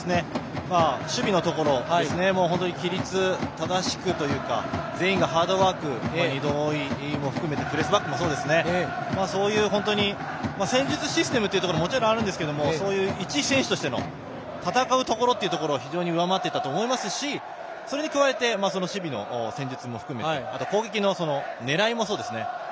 守備のところも規律正しくというか全員がハードワーク移動も含めてプレスバックもそうですし戦術システムもあるんですがそういう一選手としての戦うところは非常に上回っていたと思いますし守備の戦術も含めて攻撃の狙いもそうですね